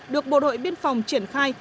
được bộ đội biên phòng triển khai